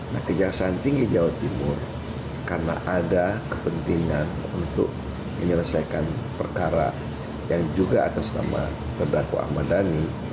nah kejaksaan tinggi jawa timur karena ada kepentingan untuk menyelesaikan perkara yang juga atas nama terdakwa ahmad dhani